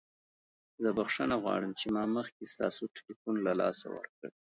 زه بخښنه غواړم چې ما مخکې ستاسو تلیفون له لاسه ورکړ.